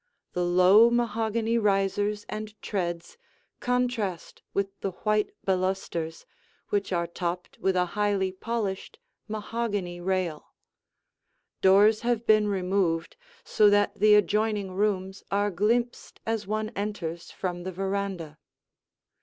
The low mahogany risers and treads contrast with the white balusters which are topped with a highly polished mahogany rail. Doors have been removed so that the adjoining rooms are glimpsed as one enters from the veranda.